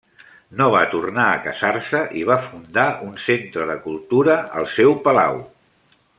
No va tornar a casar-se i va fundar un centre de cultura al seu palau.